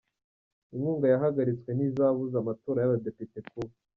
Inkunga yahagaritswe ntizabuza amatora y’abadepite kuba